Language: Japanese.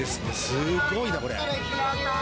すごいな、これ。